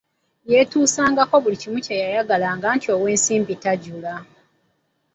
Yeetuusangako buli kimu kyeyayagalanga anti ow'ensimbi tajula.